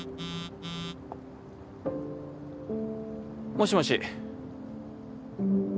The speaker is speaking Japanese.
もしもし。